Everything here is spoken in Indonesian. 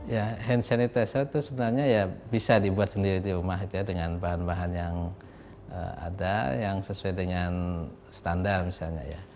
ya hand sanitizer itu sebenarnya ya bisa dibuat sendiri di rumah dengan bahan bahan yang ada yang sesuai dengan standar misalnya ya